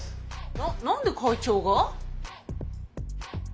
な何で会長が？